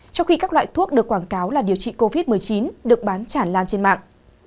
trong khi các loại thuốc được quảng cáo là điều trị covid một mươi chín được bán chản lan trên mạng